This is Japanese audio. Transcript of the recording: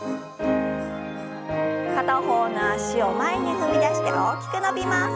片方の脚を前に踏み出して大きく伸びます。